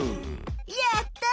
やった！